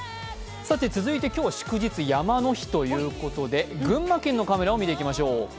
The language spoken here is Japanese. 続いて今日は祝日、山の日ということで群馬県のカメラを見ていきましょう。